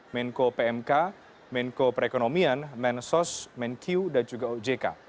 menko pmk menko perekonomian mensos menq dan juga ojk